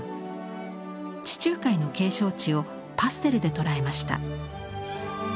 地中海の景勝地をパステルで捉えました。